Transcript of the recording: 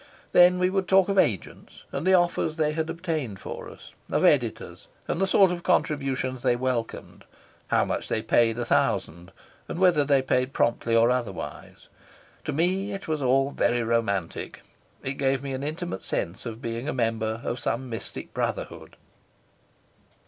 Then we would talk of agents and the offers they had obtained for us; of editors and the sort of contributions they welcomed, how much they paid a thousand, and whether they paid promptly or otherwise. To me it was all very romantic. It gave me an intimate sense of being a member of some mystic brotherhood.